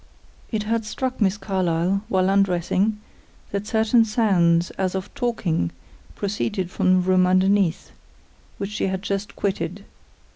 It had struck Miss Carlyle, while undressing, that certain sounds, as of talking, proceeded from the room underneath, which she had just quitted.